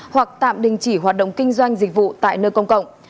hoặc tạm đình chỉ hoạt động kinh doanh dịch vụ tại nơi công cộng